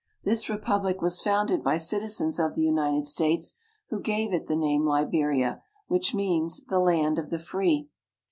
This 1 ■epublic was founded by citizens of the United States, who gave it the name Liberia, which means the "land of the ' free."